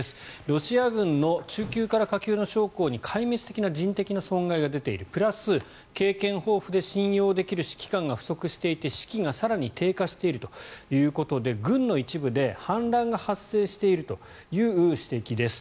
ロシア軍の中級から下級の将校に壊滅的な人的な損害が出ているプラス、経験豊富で信用できる指揮官が不足していて士気が更に低下しているということで軍の一部で反乱が発生しているという指摘です。